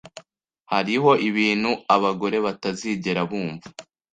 Hariho ibintu abagore batazigera bumva ..